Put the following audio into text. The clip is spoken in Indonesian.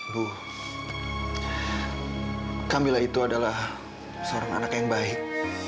bu camilla itu adalah seorang anak yang baik